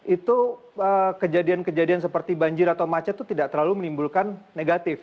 itu kejadian kejadian seperti banjir atau macet itu tidak terlalu menimbulkan negatif